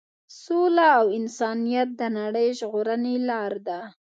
سوله او انسانیت د نړۍ د ژغورنې لار ده.